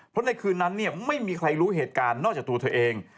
เพราะในคืนนั้นไม่มีใครรู้เหตุการณ์นอกจากตัวเธอเอง